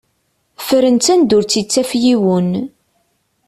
Fren-tt anda ur tt-ittaf yiwen.